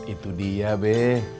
itu dia be